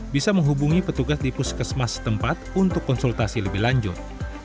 bisa menghubungi petugas di puskesmas tempat untuk konsultasi lebih lanjut